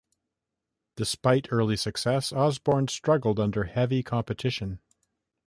Despite early success, Osborne struggled under heavy competition.